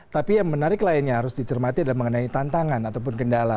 tapi yang menarik lainnya harus dicermati adalah mengenai tantangan ataupun kendala